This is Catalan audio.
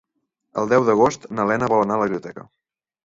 El deu d'agost na Lena vol anar a la biblioteca.